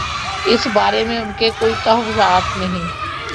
اس بارے میں ان کے کوئی تحفظات نہیں۔